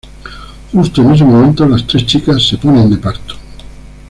Justo en ese momento, las tres chicas se ponen de parto.